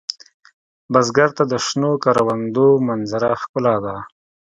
بزګر ته د شنو کروندو منظره ښکلا ده